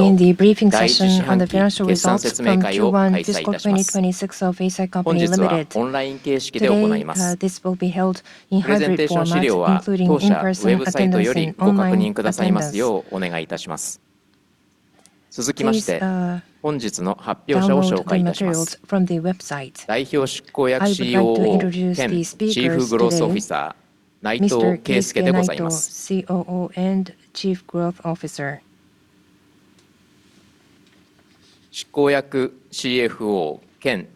We begin the briefing session on the financial results from Q1 2027 of Eisai Co., Ltd. This will be held in hybrid format, including in-person attendance online. Please join us. Please download the briefing materials from the website. I would like to introduce the speakers today. Mr. Keisuke Naito, COO and Chief Growth Officer, and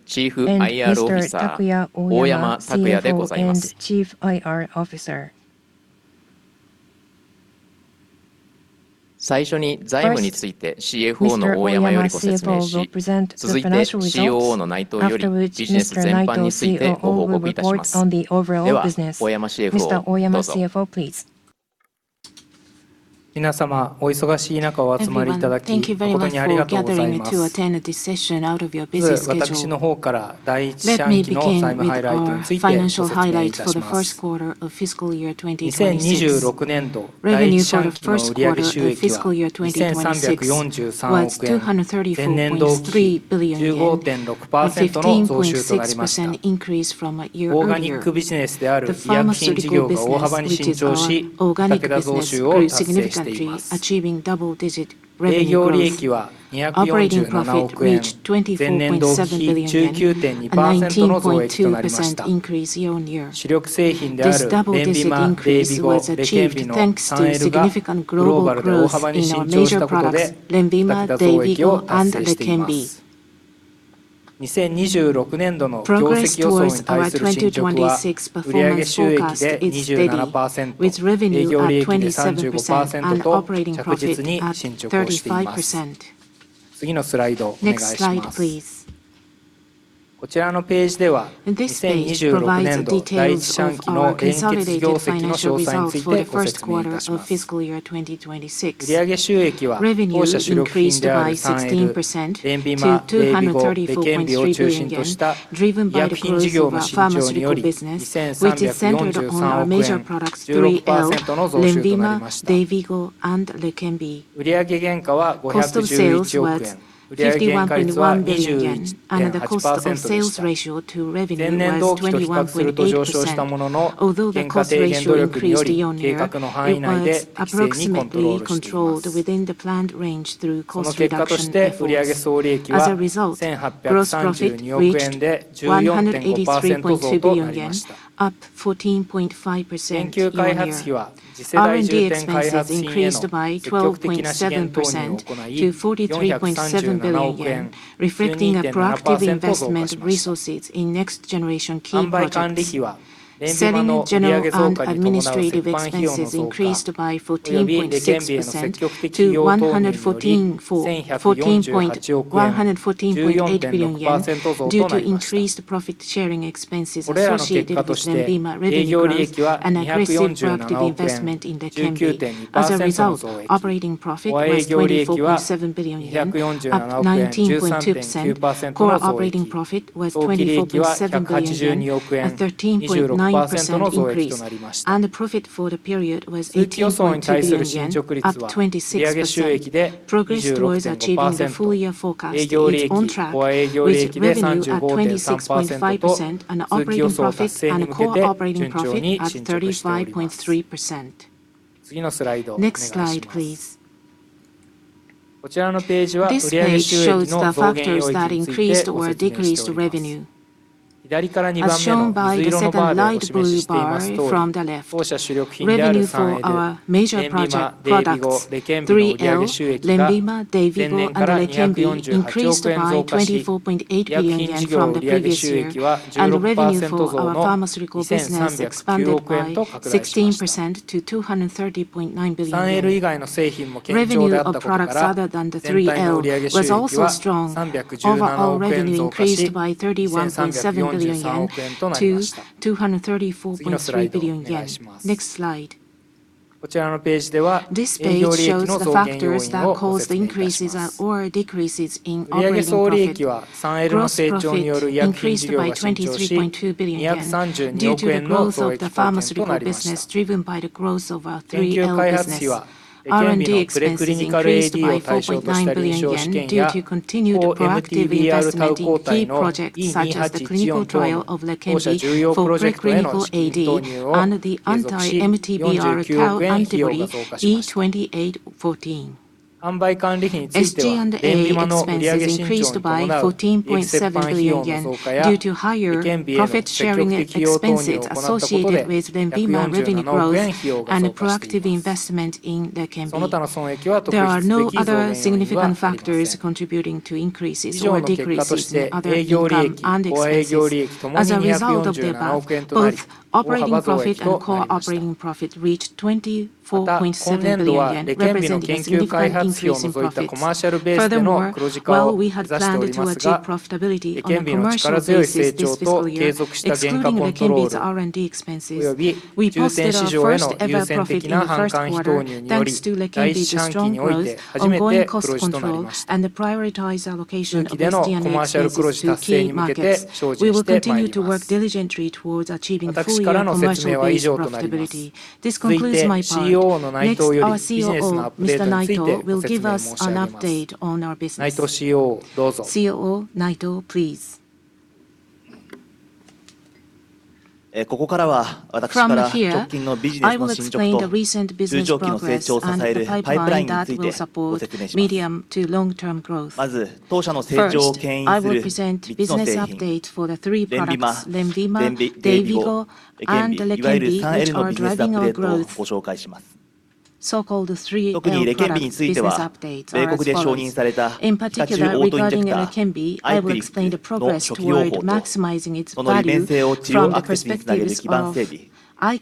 Mr. Takuya Oyama, CFO and Chief IR Officer. Next, Mr. Oyama, CFO, will present Q1 Q2 Financial Results. After which, Mr. Naito, COO, will report on the overall business. Mr. Oyama, CFO, please. Good evening. Thank you very much for gathering to attend this session out of your busy schedule. Let me begin with our financial highlights for the first quarter of fiscal year 2027. Revenue for the first quarter of fiscal year 2026 was JPY 234.3 billion, a 15.6% increase from a year-on-year. The pharmaceutical business, which is our organic business, grew significantly countries, achieving double-digit revenue growth. Operating profit reached 24.7 billion yen, 19.2% increase year-on-year. This double-digit increase was achieved thanks to significant global growth in our major products, LENVIMA, DAYVIGO, and Leqembi. Progress towards our 2026 performance forecast is steady, with revenue up 27% and operating profit up 35%. Next slide, please. This page provides details of our consolidated financial results for the first quarter of fiscal year 2026. Revenue increased by 16% to JPY 234.3 billion, driven by the growth of our pharmaceutical business, which is centered on our major products, 3L, LENVIMA, DAYVIGO, and Leqembi. Cost of sales was JPY 51.1 billion, and the cost of sales ratio to revenue was 21.8%. Although the cost ratio increased year-on-year, it was approximately controlled within the planned range through cost reduction efforts. As a result, gross profit reached JPY 183.2 billion, up 14.5% year-on-year. R&D expenses increased by 12.7% to 43.7 billion yen, reflecting a proactive investment of resources in next-generation key projects. Selling and general and administrative expenses increased by 14.6% to 114.8 billion yen due to increased profit-sharing expenses associated with the LENVIMA revenues and aggressive proactive investment in the campaign. As a result, Operating profit was 24.7 billion yen, up 19.2%. Core operating profit was 24.7 billion yen, a 13.9% increase. The profit for the period was 18.2 billion yen, up 26%. Progress towards achieving the full-year forecast is on track, with revenue at 26.5% and operating profit and core operating profit at 35.3%. Next slide, please. This page shows the factors that increased or decreased revenue, as shown by the set of light blue bars from the left. Revenue for our major products 3L, LENVIMA, DAYVIGO, and Leqembi increased by JPY 24.8 billion from the previous year, and revenue for our pharmaceutical business expanded by 16% to 230.9 billion yen. Revenue of products other than the 3L was also strong. Overall revenue increased by JPY 31.7 billion-JPY 234.3 billion. Next slide. This page shows the factors that caused increases or decreases in operating profit. Gross profit increased by 23.2 billion yen due to growth of the pharmaceutical business driven by the growth over 3.6%. R&D expenses increased by 4.9 billion yen due to continued proactive investment in key projects such as the clinical trial of Leqembi for preclinical AD and the anti-MTBR tau antibody E2814. SG&A expenses increased by JPY 14.7 billion due to higher profit sharing expenses associated with LENVIMA revenue growth and proactive investment in the Leqembi. There are no other significant factors contributing to increases or decreases in other income and expenses. As a result of the above, both operating profit and core operating profit reached 24.7 billion yen, representing significant increase in profits. While we had planned to achieve profitability in commercial businesses this fiscal year, excluding the LeqembiR&D expenses, we posted our first-ever profit in first quarter 2027 thanks to the continued strong growth, ongoing cost control, and the prioritized allocation of the T&M business to key markets. We will continue to work diligently towards achieving full commercial profitability. This concludes my part. Next, our COO, Mr. Naito, will give us an update on our business. COO Naito, please. From here,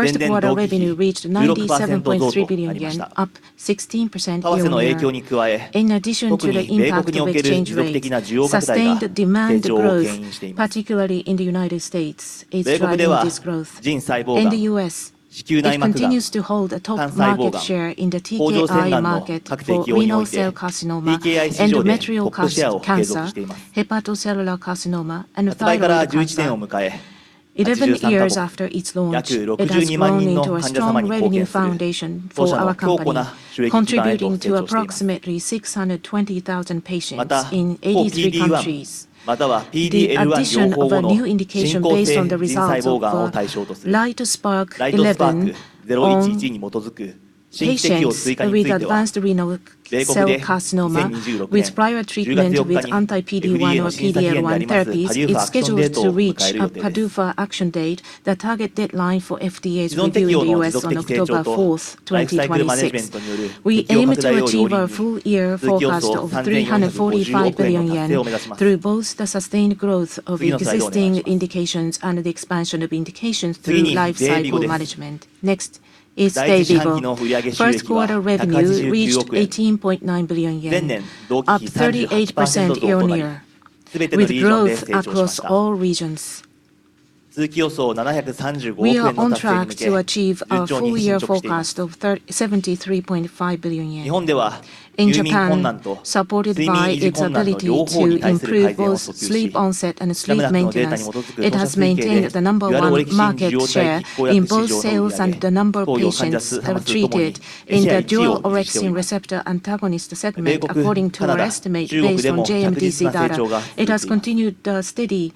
revenue reached 97.3 billion yen, up 16% year-on-year. In addition to the impact of exchange rates, sustained demand growth, particularly in the U.S., is driving this growth. In the U.S., Eisai continues to hold a top market share in the TKI market for renal cell carcinoma and endometrial cancer, hepatocellular carcinoma, and thyroid cancer. 11 years after its launch, it has grown into a strong revenue foundation for our company, contributing to approximately 620,000 patients in 83 countries. The addition of a new indication based on the results of LITESPARK-011 for patients with advanced renal cell carcinoma with prior treatment with anti-PD-1 or PD-L1 therapies is scheduled to reach a PDUFA action date. The target deadline for FDA's review in the U.S. on October 4th, 2027. We aim to achieve our full-year forecast of 345 billion yen through both the sustained growth of existing indications and the expansion of indications through lifecycle management. Next is DAYVIGO. First quarter revenue reached 18.9 billion yen, up 38% year-on-year, with growth across all regions. We are on track to achieve our full-year forecast of 73.5 billion yen. In Japan, supported by its ability to improve both sleep onset and sleep maintenance, it has maintained the number one market share in both sales and the number of patients treated in the dual orexin receptor antagonist segment, according to our estimate based on JMDC data. It has continued steady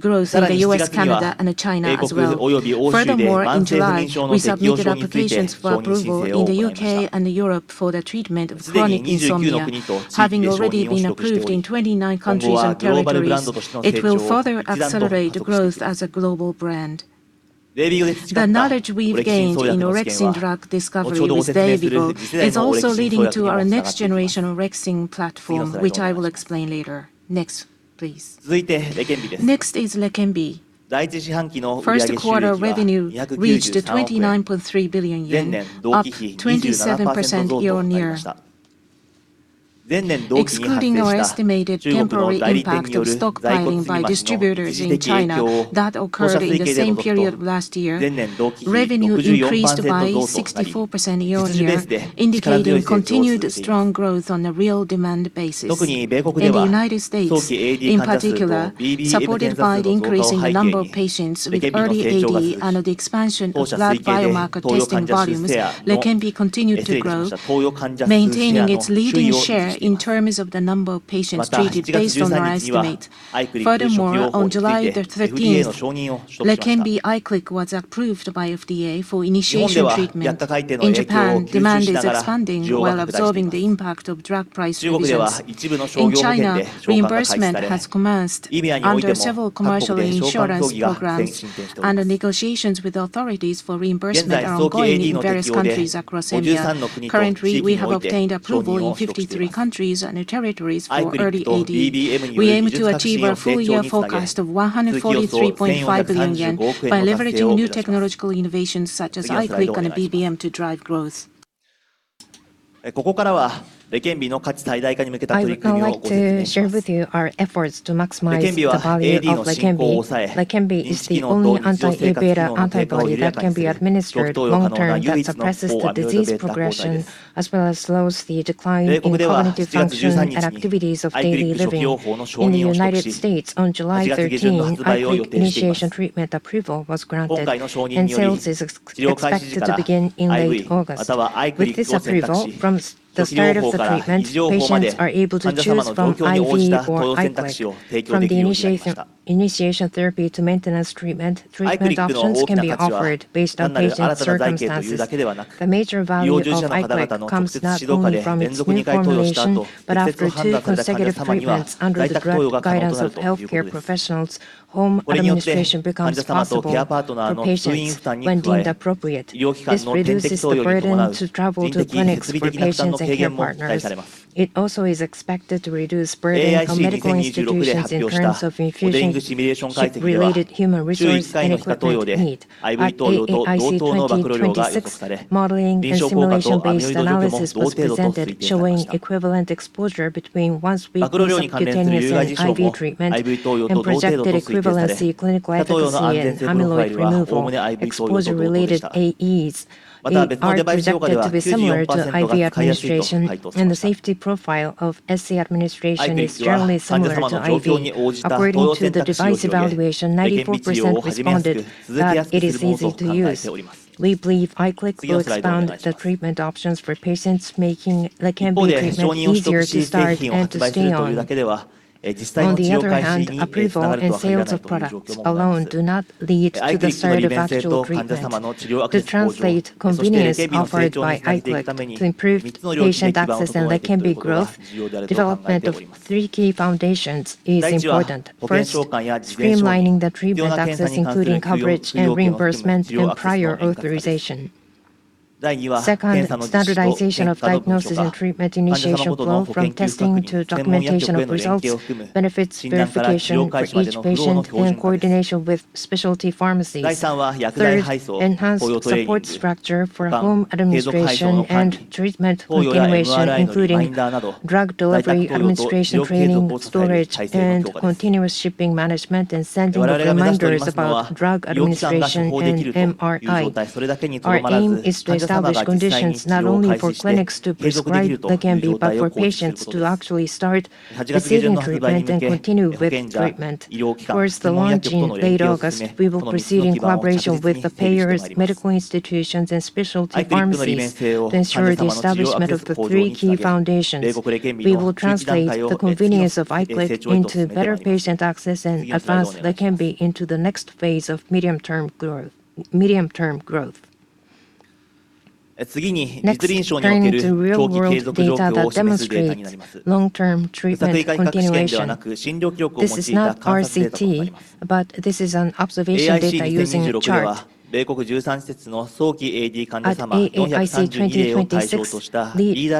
growth in the U.S., Canada, and China as well. Furthermore, in July, we submitted applications for approval in the U.K. and Europe for the treatment of chronic insomnia. Having already been approved in 29 countries and territories, it will further accelerate growth as a global brand. The knowledge we've gained in orexin drug discovery with Eisai is also leading to our next-generation orexin platform, which I will explain later. Next, please. Next is Leqembi. First quarter revenue reached 29.3 billion yen, up 27% year-on-year. Excluding our estimated temporary impact of stockpiling by distributors in China that occurred in the same period last year, revenue increased by 64% year-on-year, indicating continued strong growth on a real demand basis. In the U.S. in particular, supported by the increasing number of patients with early AD and the expansion of blood biomarker testing volumes, Leqembi continued to grow, maintaining its leading share in terms of the number of patients treated based on our estimate. Furthermore, on July 13th, LEQEMBI IQLIK was approved by FDA for initiating treatment. In Japan, demand is expanding while absorbing the impact of drug price rises. In China, reimbursement has commenced under several commercial insurance programs, and negotiations with authorities for reimbursement are ongoing in various countries across India. Currently, we have obtained approval in 53 countries and territories for early AD. We aim to achieve our full-year forecast of 143.5 billion yen by leveraging new technological innovations such as IQLIK and BBM to drive growth. I'd like to share with you our efforts to maximize the value of Leqembi. Leqembi is the only anti-Aβ antibody that can be administered long-term that suppresses the disease progression as well as slows the decline in cognitive function and activities of daily living. In the U.S., On August 13th, initiation treatment approval was granted and sales is expected to begin in late August. With this approval, from the start of the treatment, patients are able to choose from IV or IQLIK. From the initiation therapy to maintenance treatment options can be offered based on patient circumstances. The major value of IQLIK comes not only from its convenience. But after two consecutive treatments under the guidance of healthcare professionals, home administration becomes possible for patients when deemed appropriate. This reduces On the other hand, approval and sales of products alone do not lead to the start of actual treatment. To translate convenience offered by IQLIK to improved patient access and Leqembi growth, development of three key foundations is important. First, streamlining the treatment access including coverage and reimbursement and prior authorization. Second, standardization of diagnosis and treatment initiation flow from testing to documentation of results, benefits verification, participation in coordination with specialty pharmacies. Third, enhance support structure for home administration and treatment continuation, including drug delivery administration training, storage, and continuous shipping management, and sending reminders about drug administration and MRI. Our aim is to establish conditions not only for clinics to prescribe Leqembi but for patients to actually start receive treatment and continue with treatment. Towards the launch in late August, we will proceed in collaboration with the payers, medical institutions, and specialty pharmacies to ensure the establishment of the three key foundations. We will translate the convenience of IQLIK into better patient access and advance the company into the next phase of medium-term growth. Next, turning to real-world data that demonstrates long-term treatment continuation. This is not RCT, but this is an observation data using chart. Eisai AAIC 2026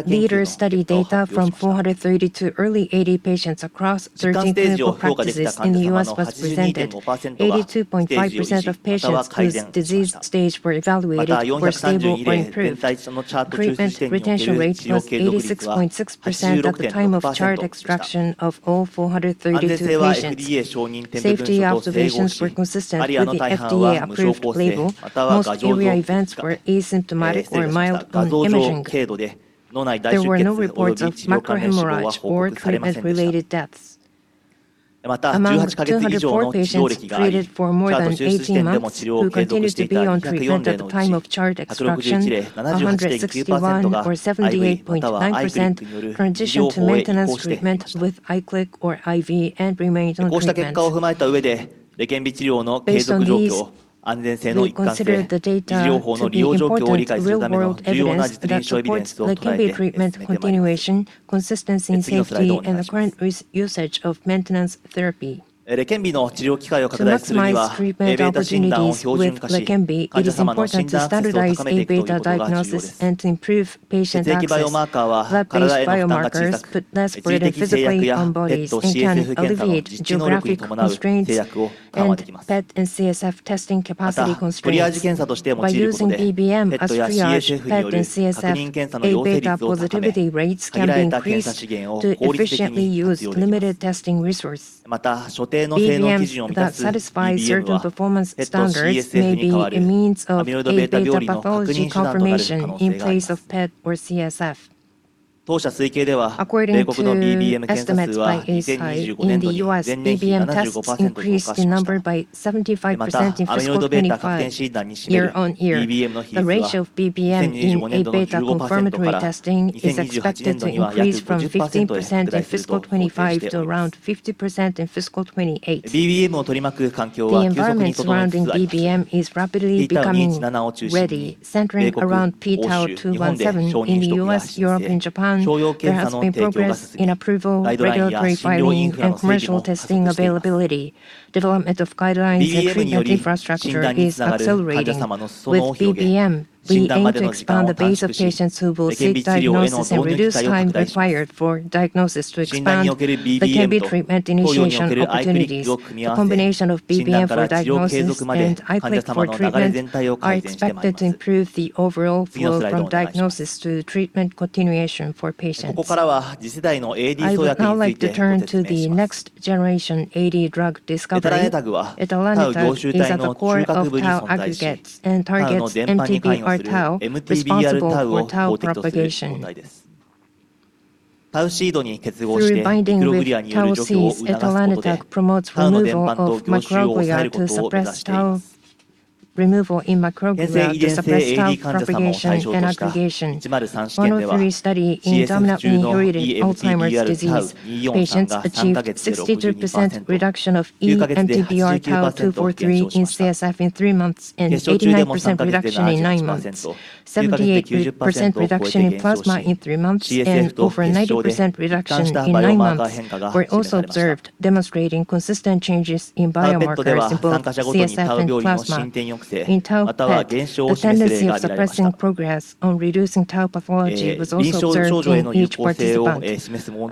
LEADER study data from 432 early AD patients across 13 clinical practices in the U.S. was presented. 82.5% of patients whose disease stage were evaluated were stable or improved. Treatment retention rate was 86.7%. 6% at the time of chart extraction of all 432 patients. Safety observations were consistent with the FDA-approved label. Most ARIA events were asymptomatic or mild by imaging. There were no reports of macrohemorrhage or treatment-related deaths. Among 204 patients treated for more than 18 months who continued to be on treatment at the time of chart extraction, 161, or 78.9%, In addition to maintenance treatment with IQLIK or IV and remaining treatment based on these, we considered the data of the Q1 2023 According to estimates by Eisai, in the U.S., BBM tests increased in number by 75% in fiscal 2025 year-over-year. The ratio of BBM in Aβ confirmatory testing is expected to increase from 15% in fiscal 2025 to around 50% in fiscal 2028. The environment surrounding BBM is rapidly becoming ready centering around p-tau217 in the U.S., Europe, and Japan. There has been progress in approval, regulatory filing, and commercial testing availability. Development of guidelines and treatment infrastructure is accelerating. With BBM, we intend to expand the base of patients who will seek diagnosis and reduce time required for diagnosis to expand the Leqembi treatment initiation opportunities. The combination of BBM for diagnosis and Eisai for treatment are expected to improve the overall flow from diagnosis to treatment continuation for patients. I would now like to turn to the next-generation AD drug discovery. Etalanetug is at the core of tau aggregates and targets MTBR-tau, responsible for tau propagation. Through binding with tau C, etalanetug promotes removal of microglia to suppress tau removal in microglial cells to suppress tau propagation and aggregation. Study 103 in Dominantly Inherited Alzheimer's Disease patients achieved 63% reduction of eMTBR-tau243 in CSF in three months and 89% reduction in nine months. 78% reduction in plasma in three months and over 90% reduction in nine months were also observed, demonstrating consistent changes in biomarkers in both CSF and plasma in tau. The tendency of suppressing progress on reducing tau pathology was also observed in each participant.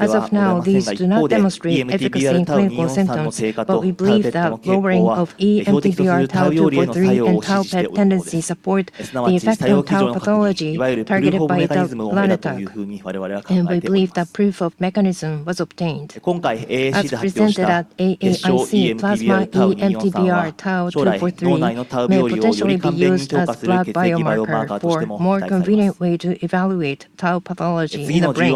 As of now, these do not demonstrate efficacy in clinical symptoms, but we believe that lowering of eMTBR-tau243 and tau PET tendency support the effect of tau pathology targeted by etalanetug. And we believe that proof of mechanism was obtained. As presented at AAIC, plasma eMTBR-tau243 may potentially be used as blood biomarker for more convenient way to evaluate tau pathology in the brain.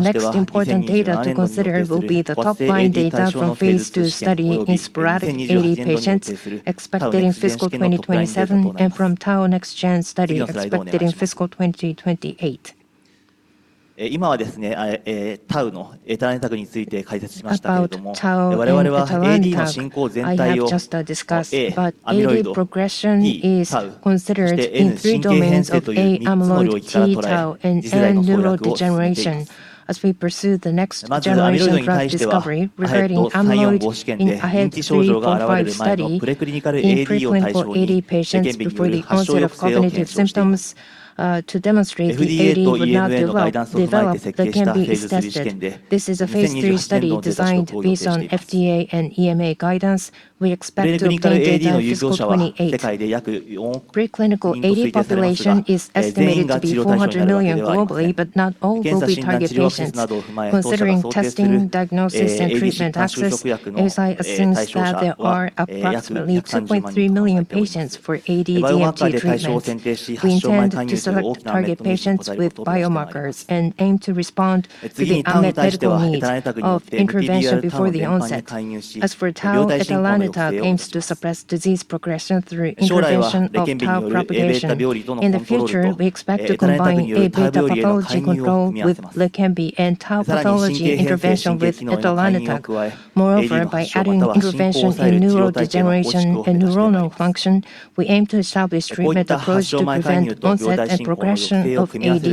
Next important data to consider will be the top-line data from phase II study in Sporadic AD patients expected in fiscal 2027 and from Tau Next Gen study expected in fiscal 2028. About tau and tau ADI, I have just discussed, but ADI progression is considered in three domains of Aβ amyloid, sleep, tau, in neurodegeneration. As we pursue the next generation drug discovery regarding amyloid in AHEAD 3-45 study in preclinical for AD patients before the onset of cognitive symptoms, to demonstrate that AD would not develop the can be tested. This is a phase III study designed based on FDA and EMA guidance. We expect to complete it in 2028. Preclinical AD population is estimated to be 400 million globally, but not all will be target patients. Considering testing, diagnosis, and treatment access, Eisai assumes that there are approximately 2.3 million patients for AD DMT treatments. We intend to select target patients with biomarkers and aim to respond to the unmet medical needs of intervention before the onset. As for tau, etalanetug aims to suppress disease progression through intervention of tau propagation. In the future, we expect to combine Aβ pathology control with Leqembi and tau pathology intervention with etalanetug. Moreover, by adding interventions in neurodegeneration and neuronal function, we aim to establish treatment approach to prevent onset and progression of AD.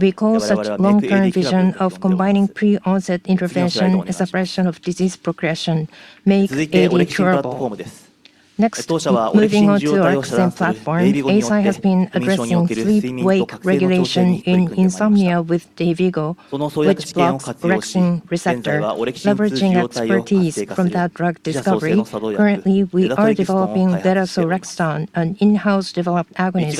We call such long-term vision of combining pre-onset intervention and suppression of disease progression make AD curable. Next, moving on to our same platform, Eisai has been addressing sleep-wake regulation in insomnia with DAYVIGO, which blocks orexin receptor. Leveraging expertise from that drug discovery, currently we are developing lerasorexton, an in-house developed agonist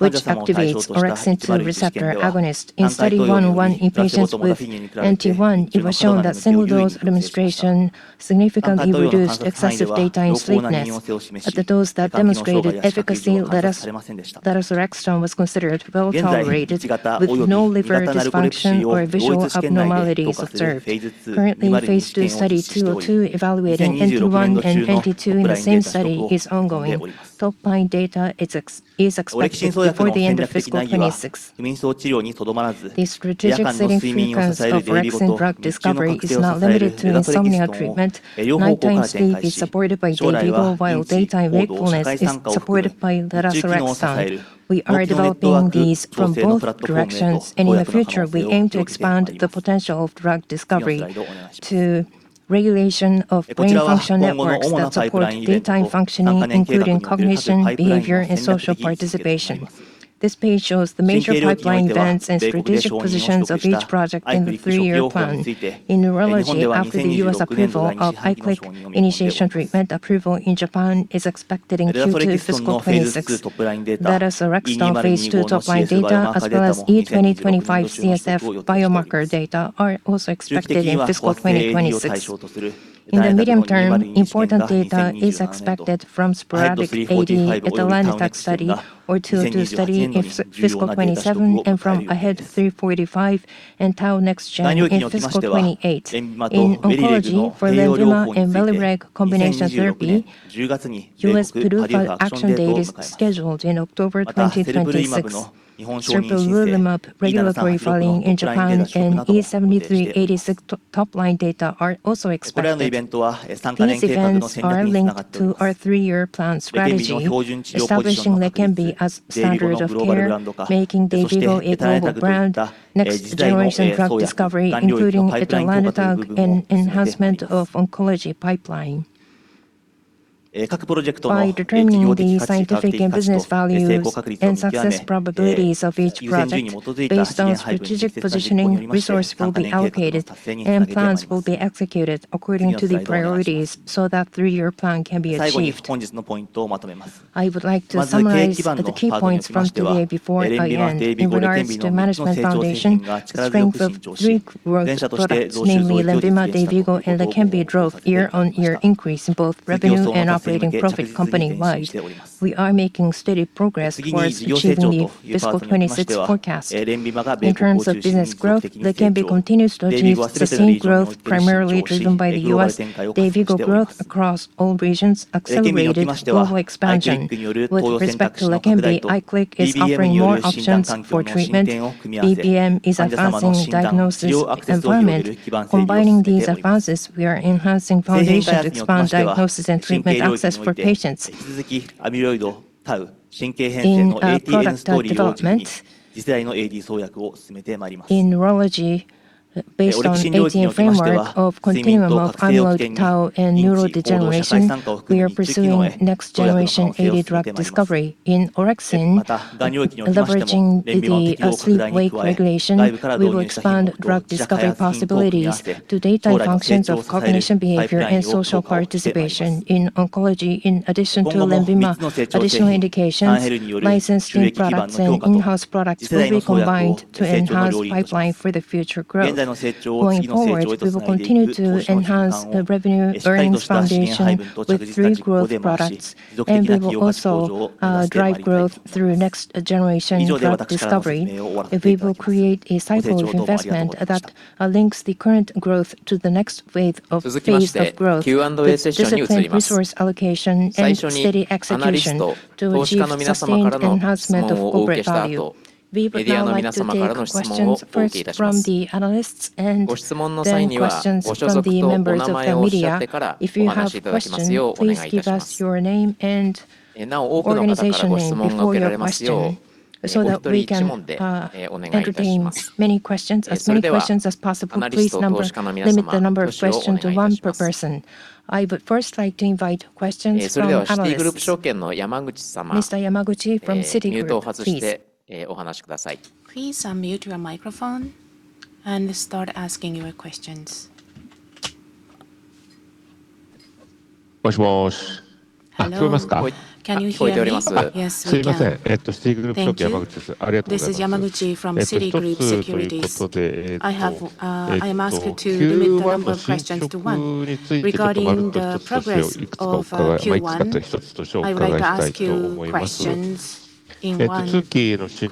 which activates orexin 2 receptor agonist. In Study 101 in patients with NT-1, it was shown that single-dose administration significantly reduced excessive daytime sleepiness. At the dose that demonstrated efficacy, lerasorexton was considered well-tolerated with no liver dysfunction or visual abnormalities observed. Currently, Phase II Study 202 evaluating NT-1 and NT-2 in the same study is ongoing. Topline data is expected before the end of fiscal 2027. This strategic setting for Eisai's progress in orexin drug discovery is not limited to insomnia treatment. Nighttime sleep is supported by DAYVIGO while daytime wakefulness is supported by Lerasorexan. We are developing these from both directions and in the future we aim to expand the potential of orexin drug discovery to regulation of brain function networks that support daytime functioning including cognition, behavior, and social participation. This page shows the major pipeline events and strategic positions of each project in the three-year plan. In neurology, after the U.S. approval of IQLIK, initiation treatment approval in Japan is expected in Q2 fiscal 2026. That is, Orexstar Phase II top-line data as well as E2025 CSF biomarker data are also expected in fiscal 2026. In the medium term, important data is expected from Sporadic AD in the LEADER study or 2-2 study in fiscal 2027 and from AHEAD 3-45 and Tau Next Gen in fiscal 2028. In oncology, for LENVIMA and belzutifan combination therapy, U.S. PDUFA action date is scheduled in October 2026. serpilulimab regulatory filing in Japan and E7386 top-line data are also expected. These events are linked to our three-year plan strategy establishing Leqembi as standard of care, making DAYVIGO a global brand, next-generation drug discovery including etalanetug, and enhancement of oncology pipeline. By determining the scientific and business values and success probabilities of each project based on strategic positioning, resources will be allocated and plans will be executed according to the priority ways so that 3-year plan can be achieved. I would like to summarize the key points from today before I end. In regards to management foundation, the strength of three growth products, namely LENVIMA, DAYVIGO, and Leqembi, drove year-on-year increase in both revenue and operating profit company-wide. We are making steady progress towards achieving the fiscal 2026 forecast. In terms of business growth, Leqembi continues to achieve sustained growth, primarily driven by the U.S. DAYVIGO Growth across all regions accelerated global expansion. With respect to Leqembi, IQLIK is offering more options for treatment. BBM is advancing diagnosis and treatment. Combining these advances, we are enhancing foundation to expand diagnosis and treatment access for patients. In product development, in neurology, Based on Eisai framework of continuum of amyloid tau and neurodegeneration, we are pursuing next-generation AD drug discovery. In orexin, leveraging the sleep-wake regulation, we will expand drug discovery possibilities to daytime functions of cognition, behavior, and social participation. In oncology, in addition to LENVIMA, additional indications, licensing products, and in-house products will be combined to enhance pipeline for the future growth. Going forward, we will continue to enhance the revenue earnings foundation with three growth products, and we will also drive growth through next-generation drug discovery. We will create a cycle of investment that links the current growth to the next wave of phase of growth. It's just a resource allocation and steady execution to achieve significant enhancement of corporate value. We prepare a Q&A session, first from the analysts and then questions from the members of the media. If you have questions, please give us your name and organization name before your question so that we can entertain many questions, as many questions as possible. Please limit the number of questions to one per person. I would first like to invite questions from the press. Mr. Yamaguchi from Citigroup, please. Please unmute your microphone and start asking your questions. Hello. Can you hear us? Yes, okay. Thank you. This is Yamaguchi from Citigroup Securities. I am asked to limit the number of questions to one. Regarding the progress of Q1, I would like to ask you questions in one question. There is a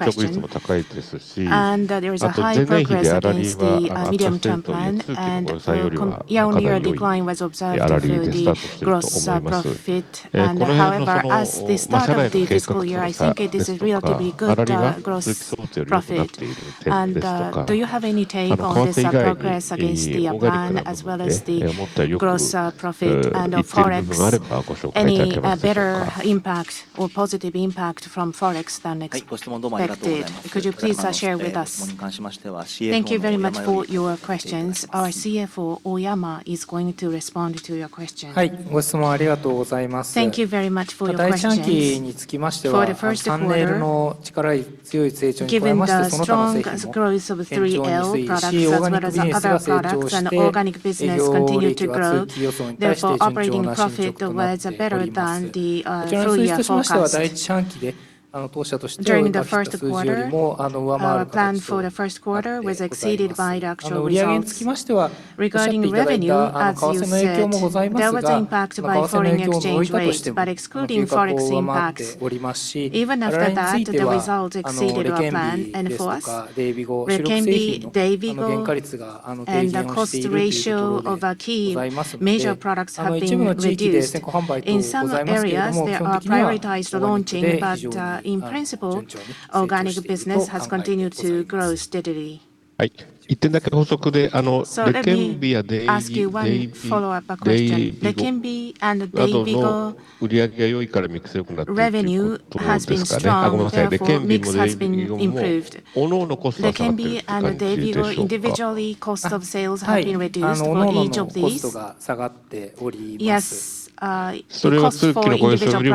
high rate of revenue growth in the medium-term plan, however, year-on-year decline was observed through the gross profit. However, as the start of the fiscal year, I think this is relatively good gross profit. Do you have any take on this progress against the plan as well as the gross profit and on forex? Any better impact or positive impact from forex than expected? Could you please share with us? Thank you very much for your questions. Our CFO Takuya Oyama is going to respond to your questions. Thank you very much for your question. For the first quarter, given the strong growth of 3L products as well as other products and organic business continued to grow, therefore, operating profit was better than the previous forecast. During the first quarter, our plan for the first quarter was exceeded by the actual results. Regarding revenue, as you see, there was impact by foreign exchange rates, but excluding forex impacts, even after that, the result exceeded our plan and forecast. Let me ask you one follow-up question. Leqembi and DAYVIGO revenue has been strong, and our product mix has been improved. The Leqembi and DAYVIGO individually cost of sales have been reduced for each of these. Yes, the cost for individual products have been reduced. Compared to your expectation for the full year forecast. We believe that we have been able to make a steady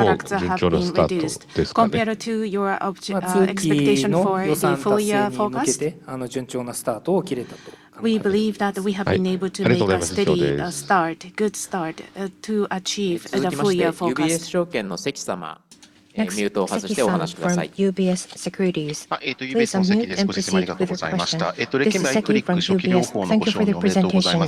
start, good start, to achieve the full year forecast. Next, please welcome from UBS Securities. Please unmute and proceed with your question. This is Seki from UBS. Thank you for the presentation.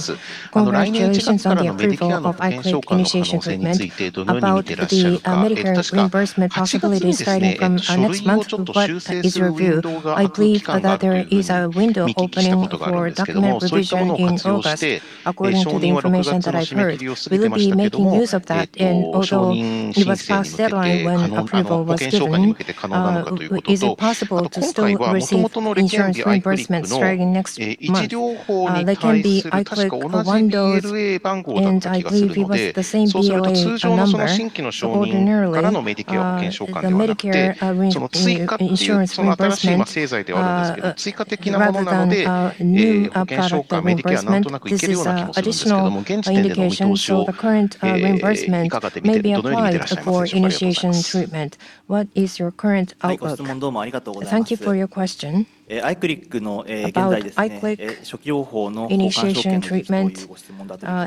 Congratulations on the approval of IQLIK initiation treatment. About the Medicare reimbursement possibilities starting from next month, what is your view? I believe that there is a window open for Eisai in August, according to the information that I've heard, will be making use of that. Although it was past deadline when approval was given, is it possible to still receive insurance reimbursements starting next month? They can be either one dose, and I believe he was the same viewer, or number not ordinarily, the Medicare insurance reimbursement for initiation treatment. What is your current outlook? Thank you for your question. IQLIK initiation treatment,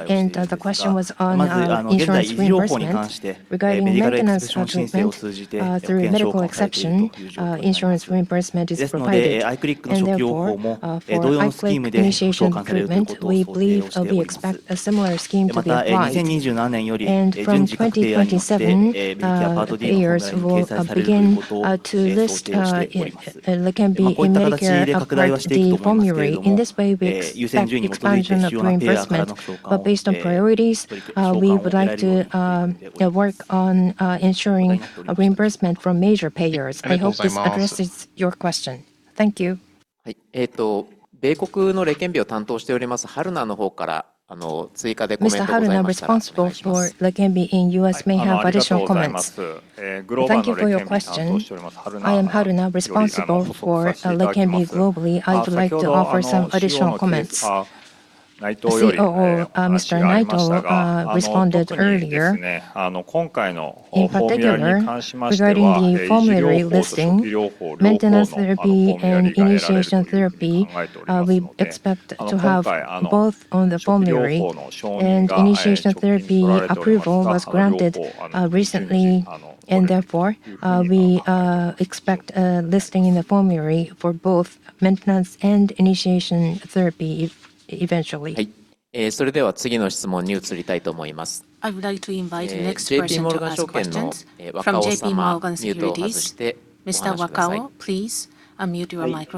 and the question was on insurance reimbursement. Regarding maintenance treatment, through medical exception, insurance reimbursement is provided. Therefore, for IQLIK initiation treatment, we expect a similar scheme to be applied. From 2027, payers will begin to list Leqembi in Medicare Part D formulary. In this way, we expect expansion of reimbursement, but based on priorities, we would like to work on ensuring reimbursement from major payers. I hope this addresses your question. Thank you. Mr. Haruna, responsible for Leqembi in U.S., may have additional comments. Thank you for your question. I am Haruna, responsible for Leqembi globally. I'd like to offer some additional comments. Mr. Naito responded earlier. In particular, regarding the formulary listing, maintenance therapy and initiation therapy, we expect to have both on the formulary. Initiation therapy approval was granted recently, and therefore we expect a listing in the formulary for both maintenance and initiation therapy eventually. I would like to invite the next person to ask questions from JPMorgan Securities. Mr.Muraoka, please unmute your microphone. This is Muraoka from JPMorgan. Thank you very much.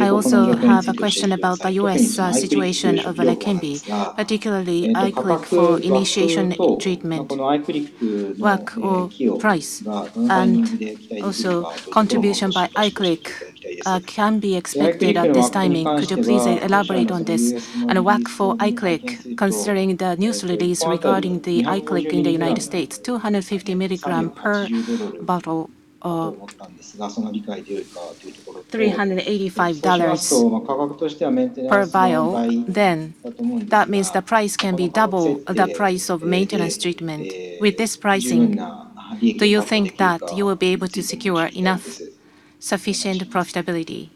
I also have a question about the U.S. situation of Leqembi, particularly IQLIK for initiation treatment, work or price, and also contribution by IQLIK can be expected at this timing. Could you please elaborate on this and work for IQLIK considering the news release regarding the IQLIK in the U.S., 250 mg per bottle of $385 per vial. That means the price can be double the price of maintenance treatment. With this pricing, do you think that you will be able to secure sufficient profitability?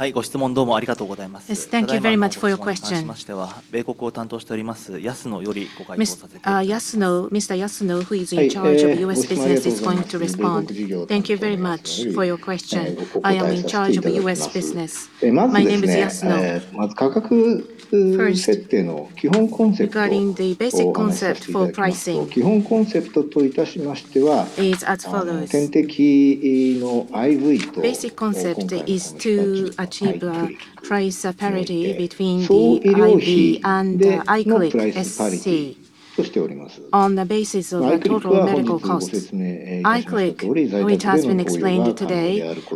Thank you very much for your question. Mr. Yasuno who is in charge of U.S. business, is going to respond. Thank you very much for your question. I am in charge of U.S. business. My name is Yasuno. First, regarding the basic concept for pricing, it's as follows. Basic concept is to achieve price parity between IV and LEQEMBI IQLIK on the basis of total medical costs. IQLIK, which has been explained today,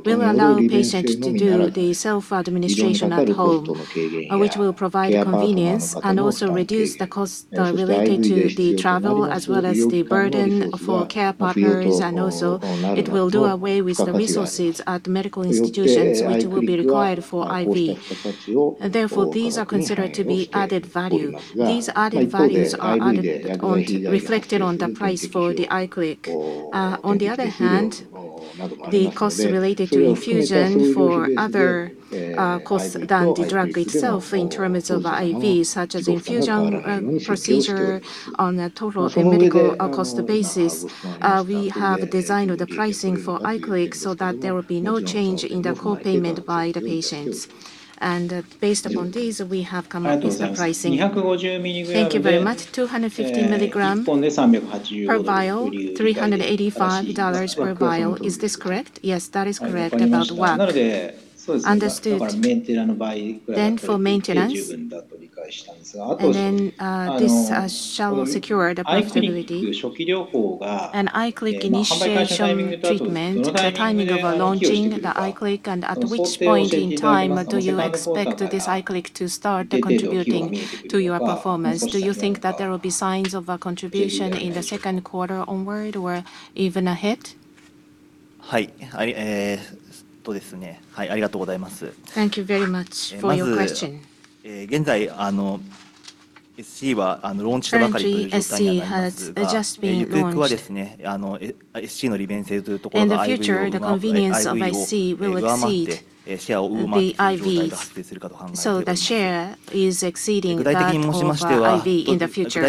will allow patients to do the self-administration at home, which will provide convenience and also reduce the cost related to the travel as well as the burden for care partners. Also it will do away with the resources at medical institutions which will be required for IV. Therefore, these are considered to be added value. These added values are reflected on the price for IQLIK. On the other hand, the costs related to infusion for other costs than the drug itself in terms of IV, such as infusion procedure, on a total medical cost basis, we have designed the pricing for IQLIK so that there will be no change in the copayment by the patients. Based upon these, we have come up with the pricing. Thank you very much. 250 mg per vial, $385 per vial. Is this correct? Yes, that is correct. About what? Understood. For maintenance, this shall secure the possibility. An IQLIK initiation treatment, the timing of a launch the IQLIK, and at which point in time do you expect this IQLIK to start contributing to your performance? Do you think that there will be signs of a contribution in the second quarter onward or even ahead? Thank you very much for your question. Currently, Eisai has just been going. In the future, the convenience of Eisai will exceed the IV, so the share is exceeding that of IV in the future.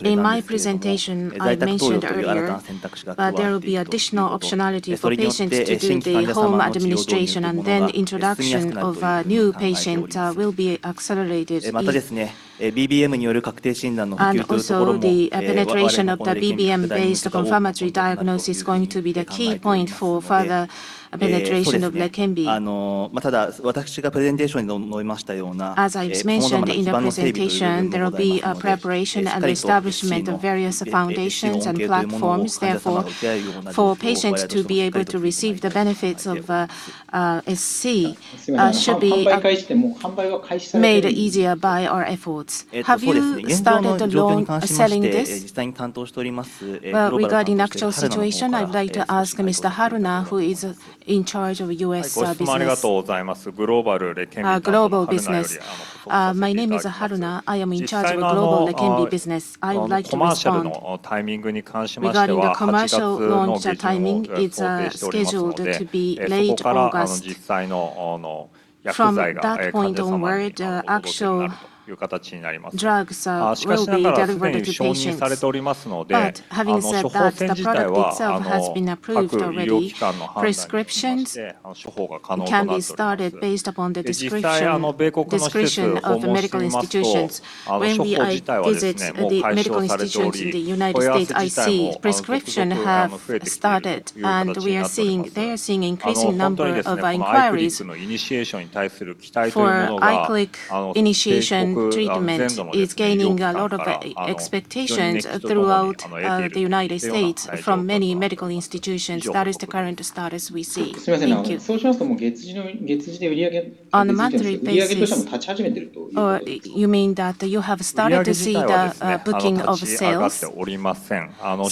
In my presentation I mentioned earlier, there will be additional optionality for patients to do the home administration, introduction of a new patient will be accelerated. Also, the penetration of the BBM-based confirmatory diagnosis is going to be the key point for further penetration of Leqembi. As I've mentioned in the presentation, there will be a preparation and establishment of various foundations and platforms. Therefore, for patients to be able to receive the benefits of SC should be made easier by our efforts. Have you started the loan selling this? Regarding actual situation, I'd like to ask Mr. Haruna, who is in charge of U.S. global business. My name is Haruna. I am in charge of global Leqembi business. I would like to be sure regarding the commercial. It's scheduled to be late August. From that point onward, actual drugs will be delivered to patients. Having said that, the product itself has been approved already. Prescriptions can be started based upon the discretion of medical institutions when they visit the medical institutions in the United States. I see prescriptions have started, and they are seeing increasing number of inquiries for IQLIK initiation treatment. It's gaining a lot of expectations throughout the United States from many medical institutions. That is the current status we see. Oh, you mean that you have started to see the booking of sales?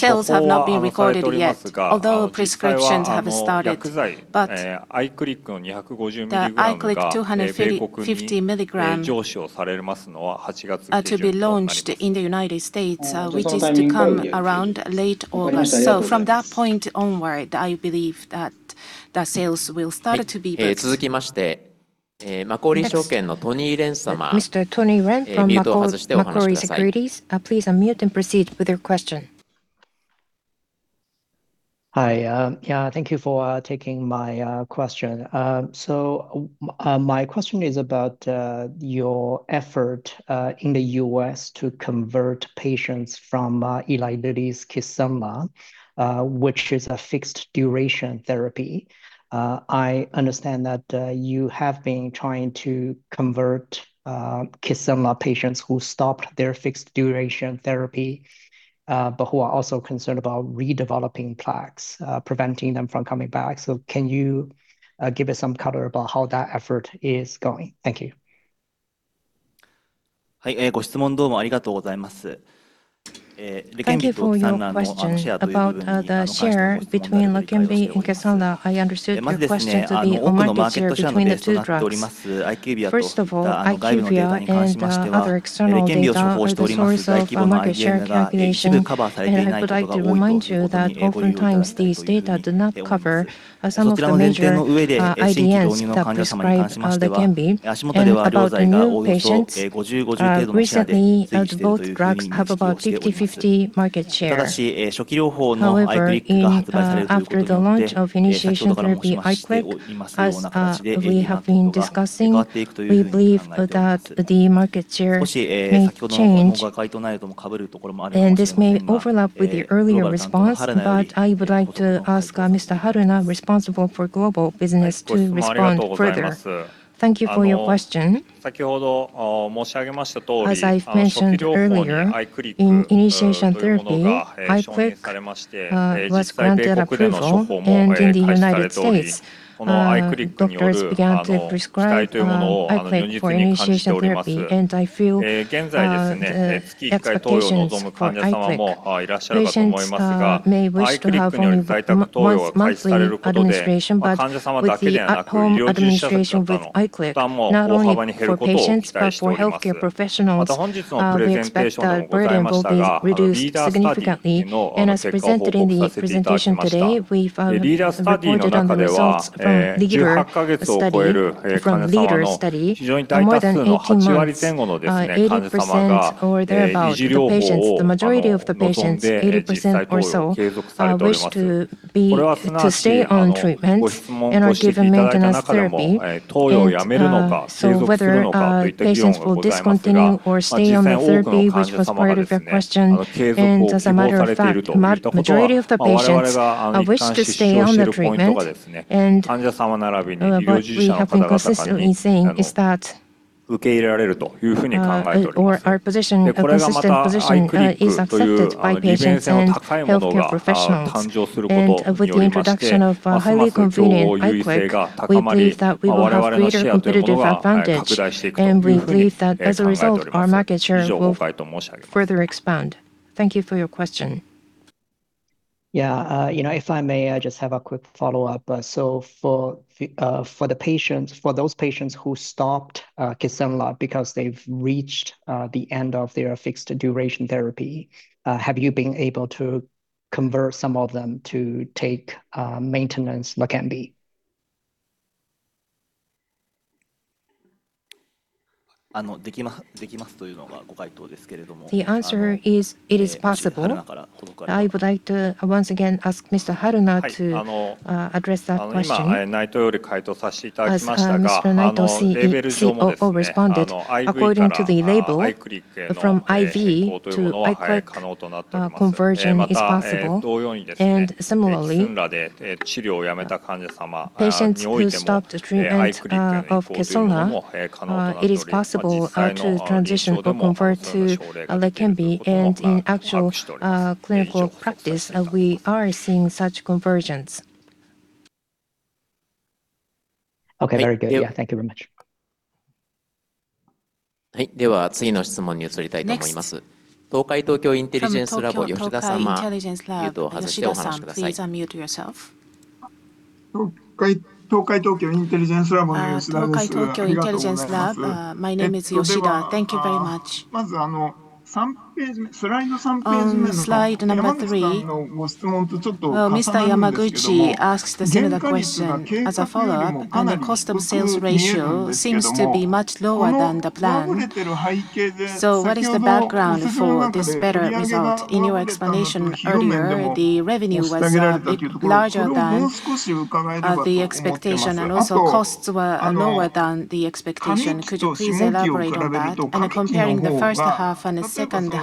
Sales have not been recorded yet, although prescriptions have started. The IQLIK 250 mg to be launched in the U.S., which is to come around late August. From that point onward, I believe that the sales will start to be based— Mr. Tony Ren from Macquarie Securities, please unmute and proceed with your question. Hi. Yeah, thank you for taking my question. My question is about your effort in the U.S. to convert patients from Eli Lilly's Kisunla which is a fixed duration therapy. I understand that you have been trying to convert Kisunla patients who stopped their fixed duration therapy, but who are also concerned about redeveloping plaques, preventing them from coming back. Can you give us some color about how that effort is going? Thank you. Thank you for your question about the share between Leqembi and Kisunla. I understood your question to be on market share between the two drugs. First of all, IQVIA and Eisai are external data sources for market share calculation, and I would like to remind you that oftentimes these data do not cover some of the major IDNs that prescribe Leqembi. About in the patients. Recently, both drugs have about 50/50 market share. However, after the launch of initiation therapy IQLIK, as we have been discussing, we believe that the market share may change, and this may overlap with the earlier response. I would like to ask Mr. Haruna, responsible for global business to respond further? Thank you for your question. As I've mentioned earlier, in initiation therapy, IQLIK was granted approval, and in the U.S., doctors began to prescribe IQLIK for initiation therapy, and I feel expectations are very big. May wish to have a new, more personalized administration, but with the at-home administration with IQLIK, not only for patients but for healthcare professionals, we expect that burden will be reduced significantly. As presented in the presentation today, we've reported on the results from LEADER study, more than 80% or thereabouts of patients, the majority of the patients, 80% or so, wish to stay on treatment and are given maintenance therapy. Whether patients will discontinue or stay on the therapy, which was part of your question, as a matter of fact, majority of the patients wish to stay on the treatment and are not willing to discontinue. Eisai is that our position, our existing position, is accepted by patients and healthcare professionals. With the introduction of highly convenient, high-quality IQLIK, we believe that we will have greater competitive advantage. We believe that as a result, our market share will further expand. Thank you for your question. You know, if I may, I just have a quick follow-up. For the patients, for those patients who stopped Kisunla because they've reached the end of their fixed duration therapy, have you been able to convert some of them to take maintenance Leqembi? The answer is it is possible. I would like to once again ask Mr. Haruna to address that question. As Mr. Naito COO responded, according to the label, from IV to IQLIK conversion is possible. Similarly, patients who stopped treatment of Kisunla, it is possible to transition or convert to Leqembi. In actual clinical practice, we are seeing such conversions. Okay, very good. Yeah, thank you very much. Next from Tokyo Intelligence Laboratory. Please unmute yourself. My name is Yoshida. Thank you very much. Slide number three. Mr. Yamaguchi asked a similar question. As a follow-up, on the cost of sales ratio seems to be much lower than the plan. What is the background for this better result? In your explanation earlier, the revenue was a bit larger than the expectation, and also costs were lower than the expectation. Could you please elaborate on that? Comparing the first half and the second half,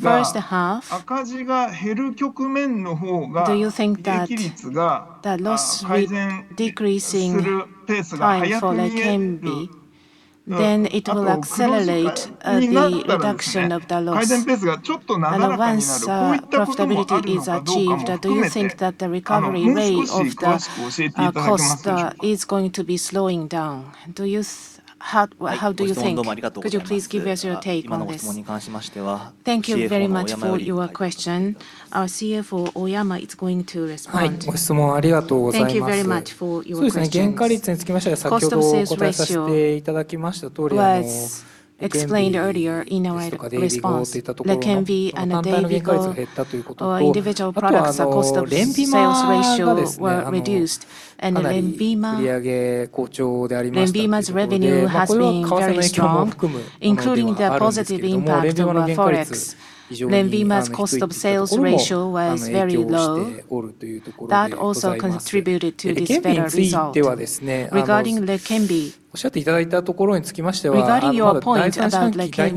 first half, do you think that the loss rate decreasing by Leqembi, then it will accelerate the reduction of the loss? Do you think that the recovery rate of the cost is going to be slowing down? How do you think? Could you please give us your take on this? Thank you very much for your question. Our CFO Oyama is going to respond. Thank you very much for your question. Cost operation was explained earlier in our response Leqembi and DAYVIGO, our individual products' cost of sales ratio were reduced, and LENVIMA's revenue has been very strong, including the positive impact of forex. LENVIMA's cost of sales ratio was very low. That also contributed to this better result. Regarding Leqembi, regarding your point about Leqembi,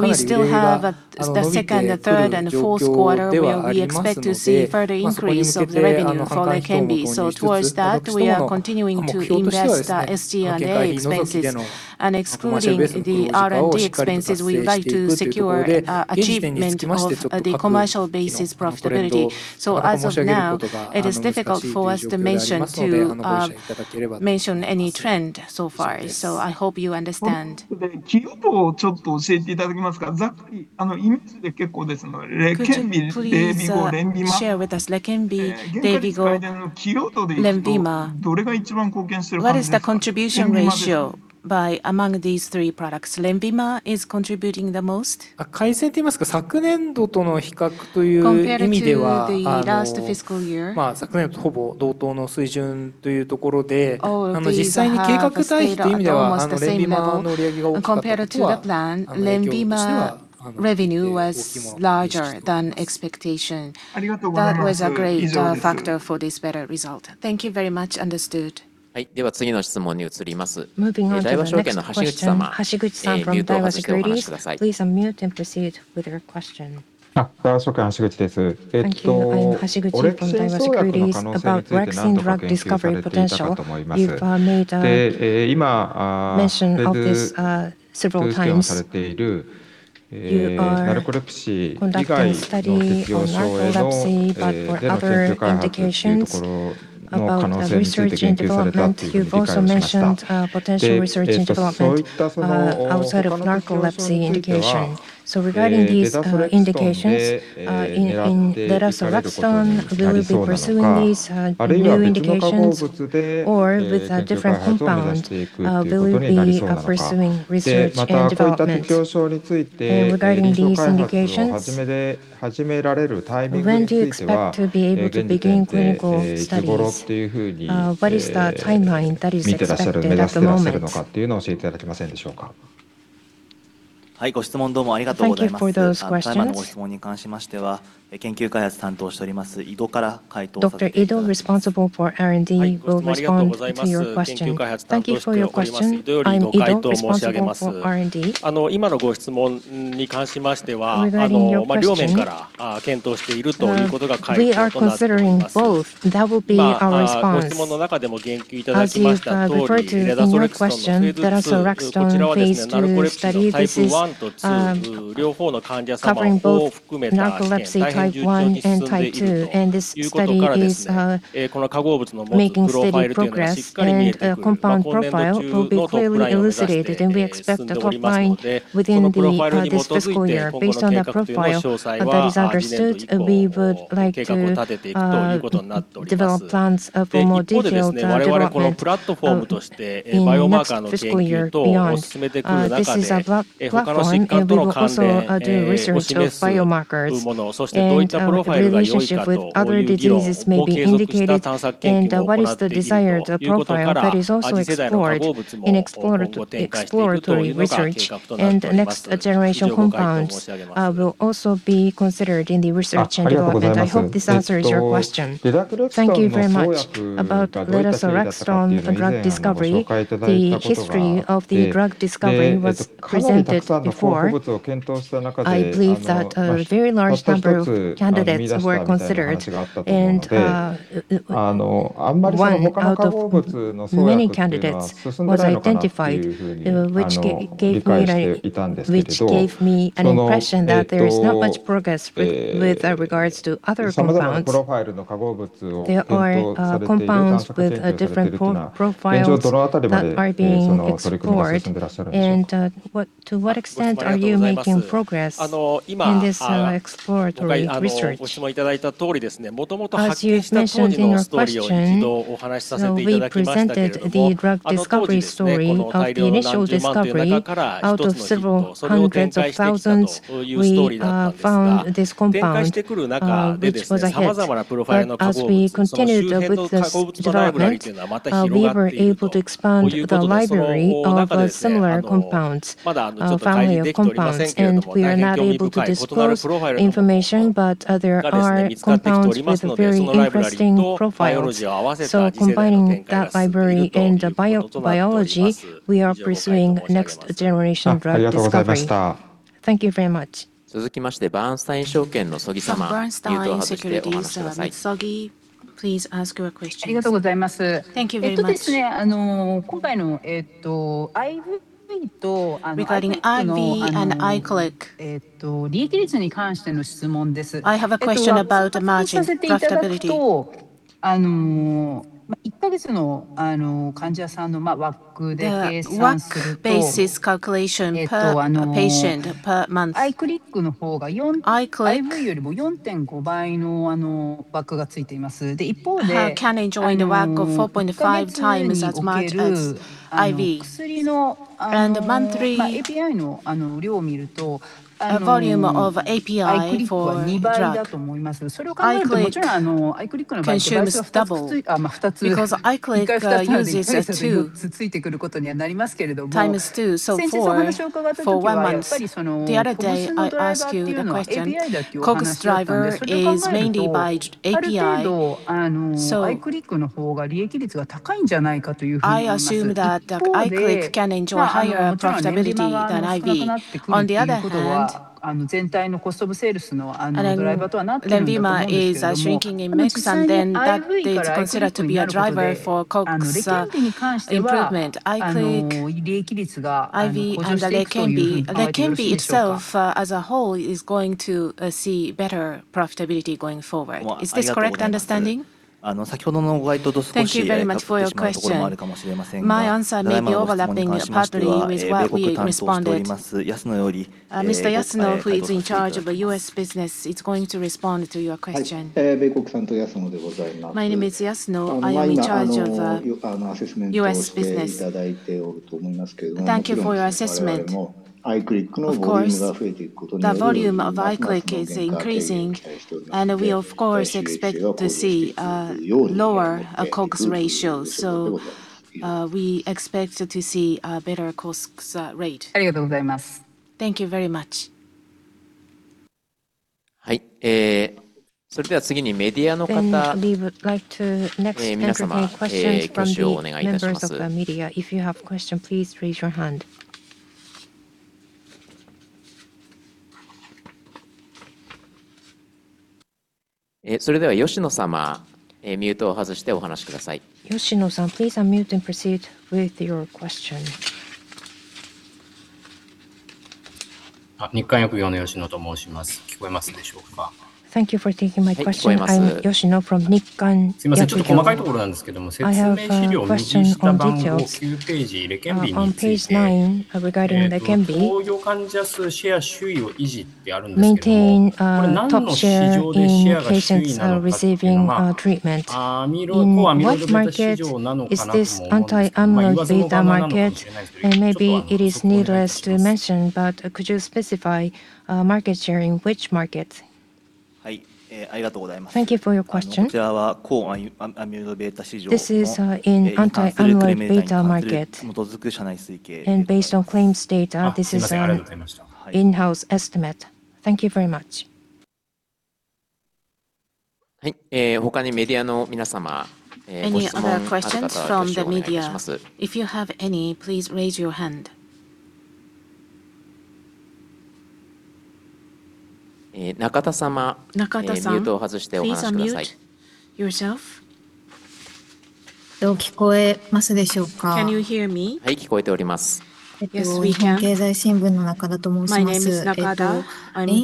we still have the second, the third, and the fourth quarter where we expect to see further increase of the revenue for Leqembi. Towards that, we are continuing to invest the S&D expenses. Excluding the R&D expenses, we'd like to secure achievement of the commercial basis profitability. As of now, it is difficult for us to mention any trend so far. I hope you understand. Could you please share with us, Leqembi, DAYVIGO, LENVIMA, what is the contribution ratio by among these three products? LENVIMA is contributing the most compared to the last fiscal year. Almost the same level compared to the plan. LENVIMA revenue was larger than expectation. That was a great factor for this better result. Thank you very much. Understood. Moving on to the next question. Hashiguchi from Daiwa Securities, please unmute and proceed with your question. Thank you. I'm Hashiguchi from Daiwa Securities about orexin drug discovery potential. You've made mention of this several times. You are conducting study for narcolepsy, but for other indications about research and development, you've also mentioned potential research and development outside of narcolepsy. Epilepsy indication. Regarding these indications, in that aspect, will you be pursuing these new indications or with a different compound? Will you be pursuing research and development regarding these indications? When do you expect to be able to begin clinical studies? What is the timeline that is expected at the moment? Thank you for those questions. Dr. Ido, responsible for R&D, will respond to your question. Thank you for your question. I'm Ido, responsible for R&D. We are considering both. What will be our response? As you refer to in your question, there is a drug study that is covering both narcolepsy type 1 and type 2, and this study is making steady progress, and a compound profile will be clearly elucidated, and we expect a top line within this fiscal year based on the profile. Eisai, we would like to develop plans for more detailed clinical trials in this fiscal year beyond. This is a plot point, and we will also do research of biomarkers and relationship with other diseases may be indicated. What is the desired program that is also explored in exploratory research and next-generation compounds will also be considered in the research and development. I hope this answers your question. Thank you very much. About Lerasorexan for orexin drug discovery, the history of the orexin drug discovery was presented before. I believe that a very large number of candidates were considered, and one out of many candidates was identified, which gave me an impression that there is not much progress with regards to other compounds. There are compounds with different profiles that are being explored, and to what extent are you making progress in this exploratory research? As you've mentioned in your question, we presented the orexin drug discovery story of the initial discovery. Out of several hundreds of thousands, we found this compound, which was Eisai. As we continued with this development, we were able to disclose information, but there are compounds with a very interesting profile. Combining that library and the biology, we are pursuing next generation orexin drug discovery. Thank you very much. From Bernstein Securities. Sogi, please ask your question. Thank you very much. Regarding IV and IQLIK, I have a question about the margin possibility. What basis calculation per patient per month? IQLIK, how can I join the work of 4.5x as much IV and monthly volume of API for NIBRAC. IQLIK, I choose double because IQLIK, I use it 2x2. So four, for one month. The other day I'd ask you the question, COGS driver is mainly by API. I assume that IQLIK can enjoy higher profitability than IV. On the other hand, IV is shrinking in mix, and that is considered to be a driver for COGS improvement. IQLIK, IV, and Leqembi— Leqembi itself as a whole is going to see better profitability going forward. Is this correct understanding? Thank you very much for your question. My answer may be overlapping partly with what we responded. Mr. Yasuno, who is in charge of the U.S. business, is going to respond to your question. My name is Yasuno. I am in charge of U.S. business. Thank you for your assessment. Of course, the volume of IQLIK is increasing, and we of course expect to see a lower COGS ratio. We expect to see a better cost rate. Thank you very much. We would like to next take questions from the members of the media. If you have a question, please raise your hand. Yoshino-san, please unmute and proceed with your question. Thank you for taking my question. I'm Yoshino from Nikkei. I have a question on details on page nine regarding Leqembi. Maintain top share in patients receiving treatment. What market is this anti-amyloid beta market? Maybe it is needless to mention, but could you specify market share in which market? Thank you for your question. This is in anti-amyloid beta market, and based on claims data, this is our in-house estimate. Thank you very much. Any other questions from the media? If you have any, please raise your hand. Nakata-sama, can you mute yourself? Can you hear me? Yes, we can. My name is Nakata from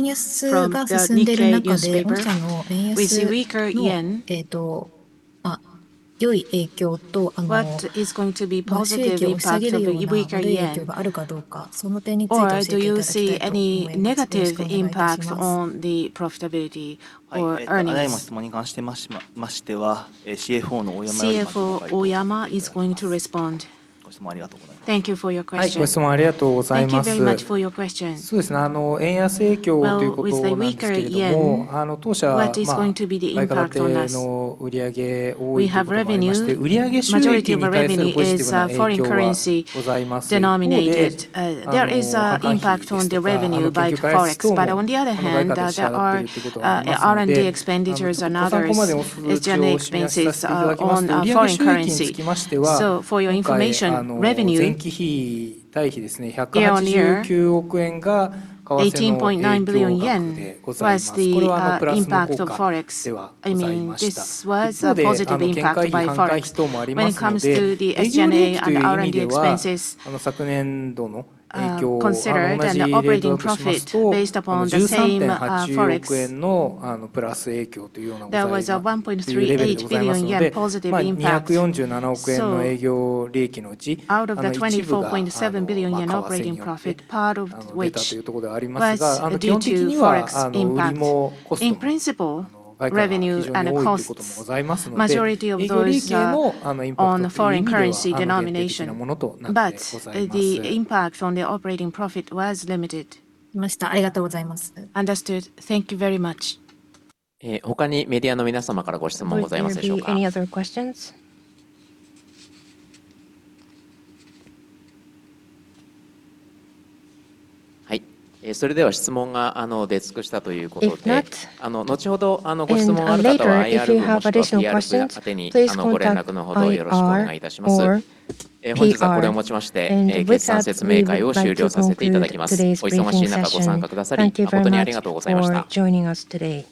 the Nikkei Newspaper. We see weaker yen. Do you see any negative impact on the profitability or earnings? CFO Oyama is going to respond. Thank you for your question. Thank you very much for your question. Well, with the weaker yen, what is going to be the impact on us? We have revenues— majority of our revenue is foreign currency. Currency denominated, there is an impact on the revenue by the forex. On the other hand, there are R&D expenditures and others, SG&A expenses on foreign currency. For your information, revenue year-on-year, JPY 18.9 billion was the impact of forex. I mean, this was a positive impact by forex. When it comes to the SG&A and currency expenses considered, and the operating profit based upon the same forex, there was a 1.38 billion yen positive impact. Out of the 24.7 billion yen operating profit, part of which was due to forex impact, in principle, revenues and costs majority of those on foreign currency denomination, but the impact on the operating profit was limited. Understood. Thank you very much. Thank you. Any other questions? Eisai, if you have additional questions, please contact our support team. Thank you for joining us today.